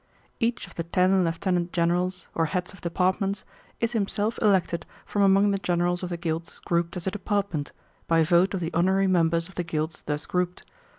"Each of the ten lieutenant generals or heads of departments is himself elected from among the generals of the guilds grouped as a department, by vote of the honorary members of the guilds thus grouped.